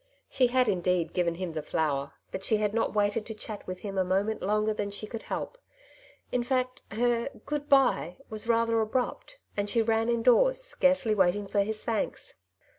She had indeed given him the flower, but she had not waited to chat with him a moment longer than she could help. In fact her '' good bye '^ was rather abrupt, and she ran indoors, scarcely waiting for his thanks.